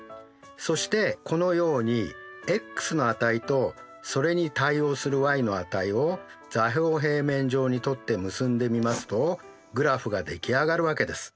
そしてこのようにｘの値とそれに対応するｙの値を座標平面上にとって結んでみますとグラフが出来上がるわけです。